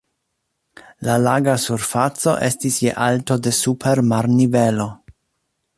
La laga surfaco estis je alto de super marnivelo.